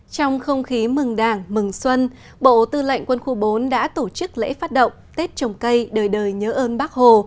trong không khí mừng đảng mừng xuân bộ tư lệnh quân khu bốn đã tổ chức lễ phát động tết trồng cây đời đời nhớ ơn bác hồ